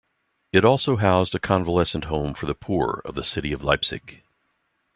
It also housed a convalescent home for the poor of the city of Leipzig.